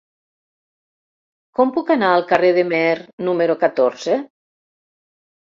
Com puc anar al carrer de Meer número catorze?